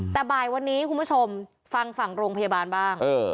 แต่บ่ายวันนี้คุณผู้ชมฟังฝั่งโรงพยาบาลบ้าง